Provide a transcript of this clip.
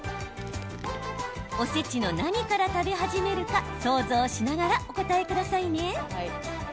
おせちの何から食べ始めるか想像しながらお答えくださいね。